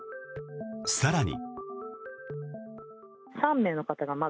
更に。